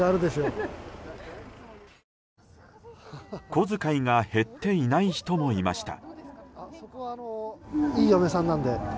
小遣いが減っていない人もいました。